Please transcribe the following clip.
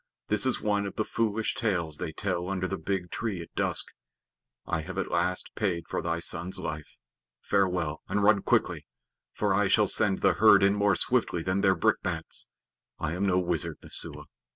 This is one of the foolish tales they tell under the big tree at dusk. I have at least paid for thy son's life. Farewell; and run quickly, for I shall send the herd in more swiftly than their brickbats. I am no wizard, Messua.